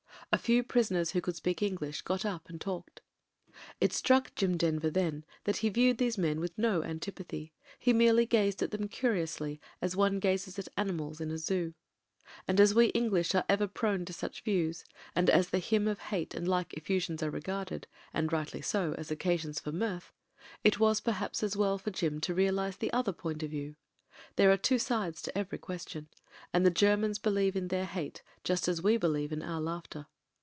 A few prisoners wiio could speak English got up and talked. It struck Jim Denver then that he viewed these men with no antipathy ; he merely gazed at them curiously as one gazes at animals in a '^Zoo.'' And as we Eng lish are ever prone to such views, and as the Hymn of Hate and like effusions are rq^arded, and rightly so, as occasions for mirth, it was perhaps as well for Jim to realise the other point of view. There are two sides to every question, and the Germans believe in their hate just as we believe in our laughter.